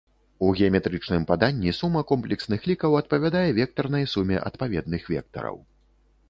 У геаметрычным паданні сума камплексных лікаў адпавядае вектарнай суме адпаведных вектараў.